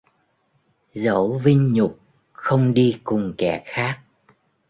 Dẫu vinh nhục không đi cùng kẻ khác